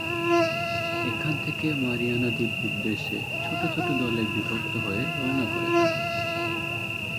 এখান থেকে মারিয়ানা দ্বীপ উদ্দেশ্যে ছোট ছোট দলে বিভক্ত হয়ে রওনা করে তারা।